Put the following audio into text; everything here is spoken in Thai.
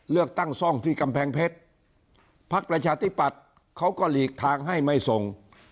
เลือกตั้งซ่องที่กำแพงเพชรพักประชาธิปัตย์เขาก็หลีกทางให้ไม่ส่ง